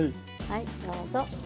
はいどうぞ。